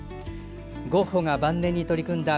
ゴッホが晩年に取り組んだ